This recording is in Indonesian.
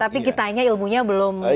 tapi kita hanya ilmunya belum ketipu